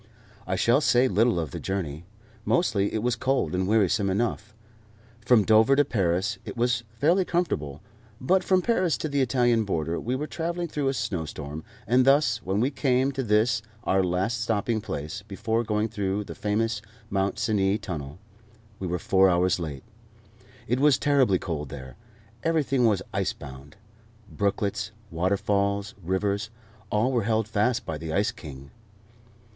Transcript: I shall say little of the journey. Mostly it was cold and wearisome enough. From Dover to Paris it was fairly comfortable, but from Paris to the Italian border we were travelling through a snowstorm, and thus, when we came to this our last stopping place before going through the famous Mont Cenis Tunnel, we were four hours late. It was terribly cold there. Everything was ice bound. Brooklets, waterfalls, rivers, all were held fast by the ice king.